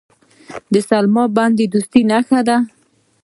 د سلما بند د دوستۍ نښه ده.